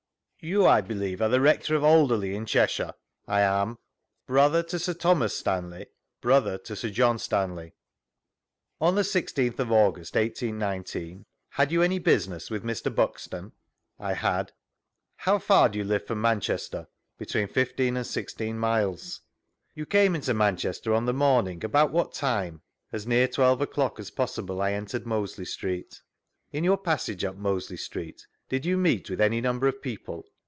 You, I believe, are the Rector of Alderley, in Cheshire? — I am. Brother to Sir Thomas Stanley ?— Brother to Sir John Stanley. On the 1 6th of August, 18 19, had you any business with Mr. Buxton?— 1 had. How far do you live from Manchester ?— Between fifteen and sixteen miles. vGoogIc STANLEY'S EVIDENCE as You came into Manchester on the momii^; about what time? — As near twelve o'clock as pos sible I entered Mosley Street. In your passage up Mosley Street, did you meet with any number of people